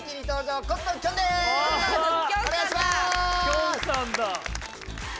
きょんさんだ！